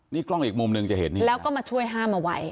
นี่กล้องอีกมุมหนึ่งจะเห็นแล้วก็มาช่วยห้ามเอาไว้